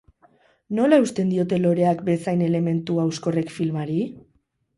Nola eusten diote loreak bezain elementu hauskorrek filmari?